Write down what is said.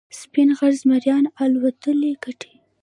سپین غر زمریان اتلولي ګټي.